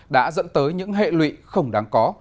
đã dẫn tới những hệ lụy không đáng có